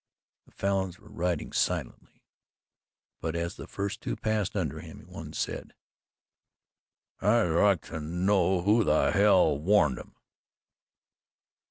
The Falins were riding silently, but as the first two passed under him, one said: "I'd like to know who the hell warned 'em!"